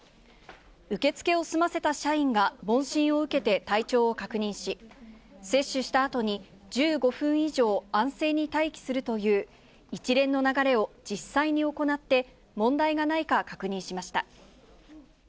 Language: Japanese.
受け付けを済ませた社員が問診を受けて体調を確認し、接種したあとに１５分以上、安静に待機するという、一連の流れを実際に行って、問題がないか確認しました。